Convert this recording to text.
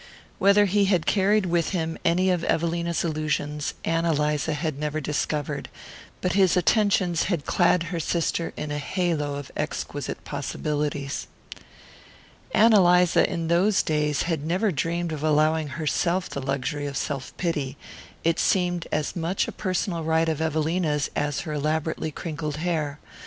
Whether he had carried with him any of Evelina's illusions, Ann Eliza had never discovered; but his attentions had clad her sister in a halo of exquisite possibilities. Ann Eliza, in those days, had never dreamed of allowing herself the luxury of self pity: it seemed as much a personal right of Evelina's as her elaborately crinkled hair.